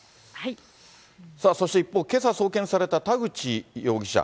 さあ、そして一方、けさ、送検された田口容疑者。